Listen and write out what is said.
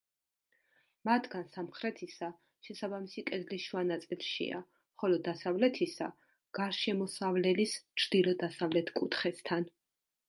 მათგან სამხრეთისა შესაბამისი კედლის შუა ნაწილშია, ხოლო დასავლეთისა გარშემოსავლელის ჩრდილო–დასავლეთ კუთხესთან.